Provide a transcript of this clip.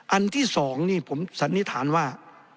อันที่๒นี่ผมสันนิษฐานว่า